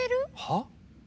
はっ？